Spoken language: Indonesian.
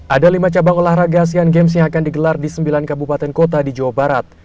ada lima cabang olahraga asean games yang akan digelar di sembilan kabupaten kota di jawa barat